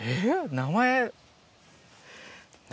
名前。